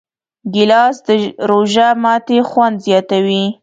ګیلاس د روژه ماتي خوند زیاتوي.